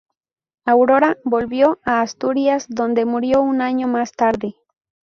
Aurora volvió a Asturias donde murió un año más tarde.